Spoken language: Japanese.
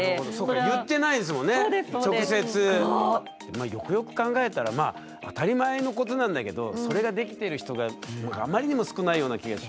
まあよくよく考えたらまあ当たり前のことなんだけどそれができてる人があまりにも少ないような気がしますけどね。